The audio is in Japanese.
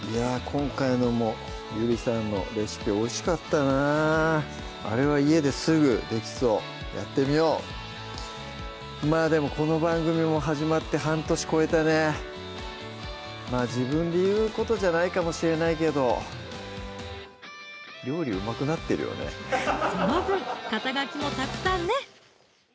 今回のもゆりさんのレシピおいしかったなあれは家ですぐできそうやってみようまぁでもこの番組も始まって半年超えたねまぁ自分で言うことじゃないかもしれないけどその分肩書もたくさんね！